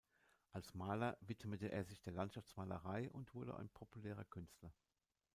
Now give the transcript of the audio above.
Als Maler widmete er sich der Landschaftsmalerei und wurde ein populärer Künstler.